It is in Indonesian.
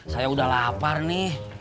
saya udah lapar nih